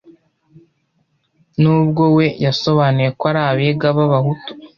Nubwo we yasobanuye ko ari Abega b’Abahutu